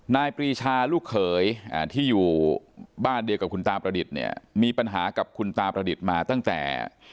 ปรีชาลูกเขยที่อยู่บ้านเดียวกับคุณตาประดิษฐ์เนี่ยมีปัญหากับคุณตาประดิษฐ์มาตั้งแต่